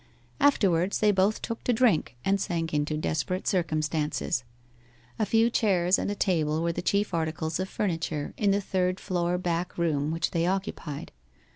Afterwards they both took to drink, and sank into desperate circumstances. A few chairs and a table were the chief articles of furniture in the third floor back room which they occupied.